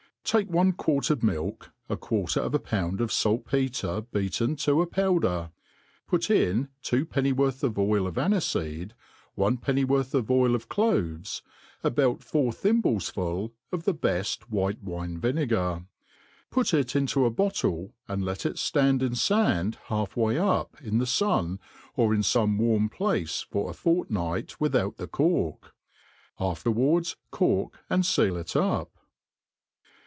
TAKE one quart of milk, a quarter of a pound o/ fait petre beaten to a powder ; put in two pennyworth of oil of anife fced^ one pennyworth of oil of cloves, about four thim* bles full of the bed white wine vinegar ; put it into a bottle, and let it (land in fand half way up, in the fun, or in fome warm place for a fortnight without the cork ; afterwards cork and feal it up.